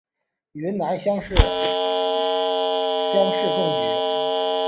云南乡试乡试中举。